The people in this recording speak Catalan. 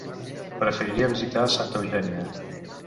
Preferiria visitar Santa Eugènia.